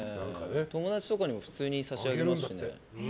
友達とかにも普通に差し上げますしね。